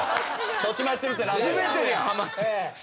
「そっちもやってる」ってなんだよ！